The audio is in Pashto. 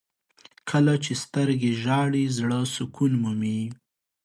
• کله چې سترګې ژاړي، زړه سکون مومي.